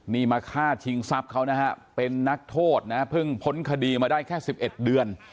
นี่มาฆ่าชิงทรัพย์เขานะฮะเป็นนักโทษนะเพิ่งพ้นคดีมาได้แค่๑๑เดือน